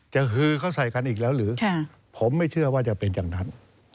ฮือเขาใส่กันอีกแล้วหรือผมไม่เชื่อว่าจะเป็นอย่างนั้น